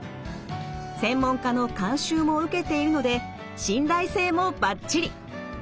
専門家の監修も受けているので信頼性もバッチリ！